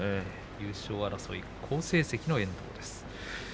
優勝争い、好成績の遠藤です。